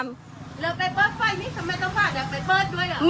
แล้วไปเปิดไฟนี้ทำไมต้องพาเด็กไปเปิดด้วยอ่ะ